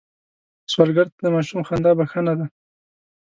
سوالګر ته د ماشوم خندا بښنه ده